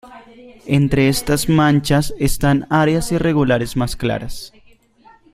Entre estas manchas están áreas irregulares más claras.